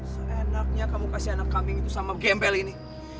seenaknya kamu kasih anak kambing itu sama gempel ini